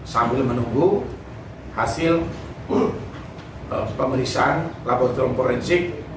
sambil menunggu hasil pemeriksaan laboratorium forensik